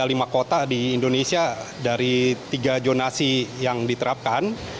ada lima kota di indonesia dari tiga zonasi yang diterapkan